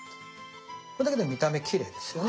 これだけで見た目きれいですよね！